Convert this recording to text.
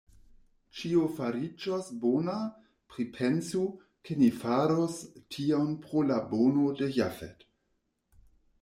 Ĉio fariĝos bona; pripensu, ke ni faros tion pro la bono de Jafet.